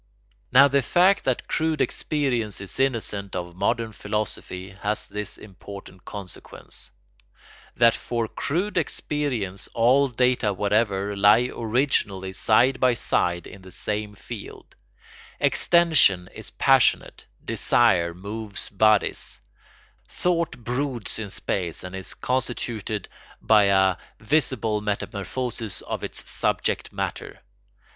] Now the fact that crude experience is innocent of modern philosophy has this important consequence: that for crude experience all data whatever lie originally side by side in the same field; extension is passionate, desire moves bodies, thought broods in space and is constituted by a visible metamorphosis of its subject matter.